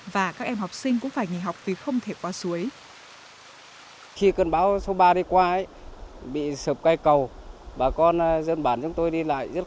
và các em học sinh cũng phải nghỉ học vì không thể qua suối